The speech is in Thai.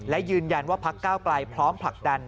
และยืนยันว่าพักก้าวไกลพร้อมผลักดัน